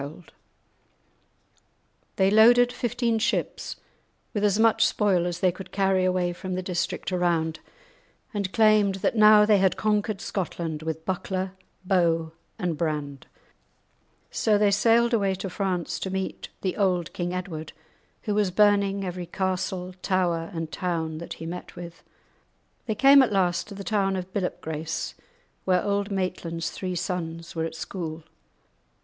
[Illustration: The Siege of Maitland Castle] They loaded fifteen ships with as much spoil as they could carry away from the district around, and claimed that now they had conquered Scotland with buckler, bow, and brand. So they sailed away to France to meet the old King Edward, who was burning every castle, tower, and town that he met with. They came at last to the town of Billop Grace, where Auld Maitland's three sons were at school.